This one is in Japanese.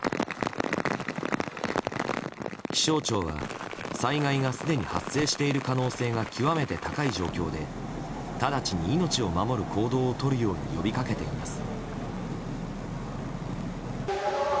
気象庁は災害がすでに発生している可能性が極めて高い状況で直ちに命を守る行動をとるように呼びかけています。